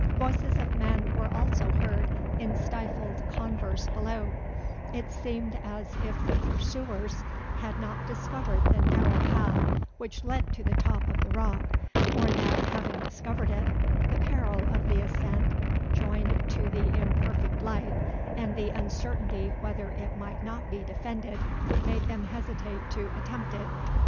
Voices of men were also heard in stifled converse below; it seemed as if the pursuers had not discovered the narrow path which led to the top of the rock, or that, having discovered it, the peril of the ascent, joined to the imperfect light, and the uncertainty whether it might not be defended, made them hesitate to attempt it.